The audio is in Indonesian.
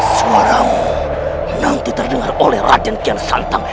suaramu nanti terdengar oleh rajan kian santang